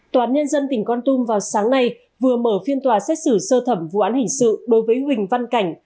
tòa án nhân dân tỉnh con tum vào sáng nay vừa mở phiên tòa xét xử sơ thẩm vụ án hình sự đối với huỳnh văn cảnh